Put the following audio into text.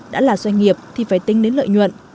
đã là doanh nghiệp thì phải tính đến lợi nhuận